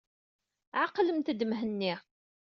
Ɛqlemt-d Mhenni.